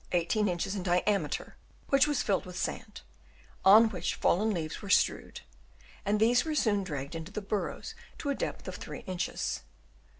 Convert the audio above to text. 18 inches in diameter, which was filled with sand, on which fallen leaves were strewed ; and these were soon dragged into their bur rows to a depth of 3 inches.